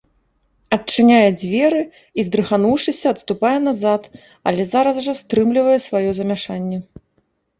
Адчыняе дзверы і, здрыгануўшыся, адступае назад, але зараз жа стрымлівае сваё замяшанне.